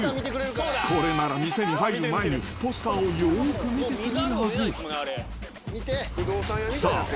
これなら店に入る前に、ポスターをよく見てくれるはず。